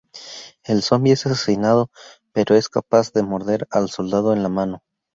El zombie es asesinado, pero es capaz de morder al soldado en la mano.